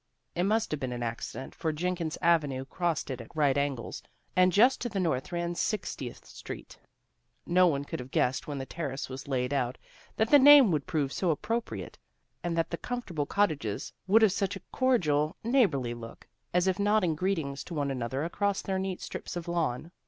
It must have been an accident, for Jenkins Avenue crossed it at right angles, and just to the north ran Sixtieth Street. No one could have guessed when the Terrace was laid out that the name would prove so appropriate, and that the comfortable cottages would have such a cordial, neighborly look, as if nodding greetings to one another across their neat strips of lawn.